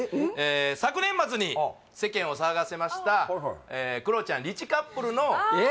昨年末に世間を騒がせましたクロちゃん・リチカップルのええ！？